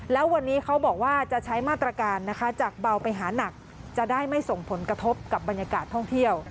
แล้ววันนี้เขาบอกว่าจะใช้มาตรการนะคะจากเบาไปหานักจะได้ไม่ส่งผลกระทบกับบรรยากาศท่องเที่ยว